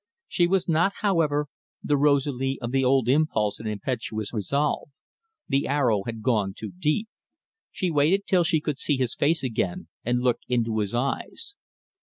She was not, however, the Rosalie of the old impulse and impetuous resolve the arrow had gone too deep; she waited till she could see his face again and look into his eyes.